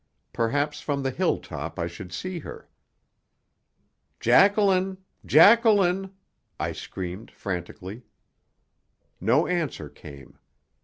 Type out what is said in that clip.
Perhaps from the hill top I should see her. "Jacqueline! Jacqueline!" I screamed frantically. No answer came.